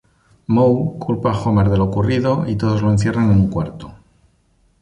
Moe culpa a Homer de lo ocurrido, y todos lo encierran en un cuarto.